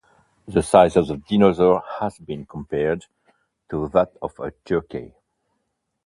The size of this dinosaur has been compared to that of a turkey.